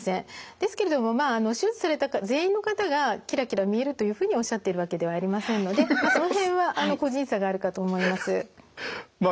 ですけれどもまあ手術された方全員の方がキラキラ見えるというふうにおっしゃってるわけではありませんのでその辺は個人差があるかと思います。